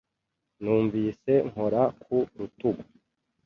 Numvise nkora ku rutugu.